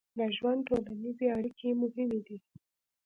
د ژوند ټولنیزې اړیکې مهمې دي.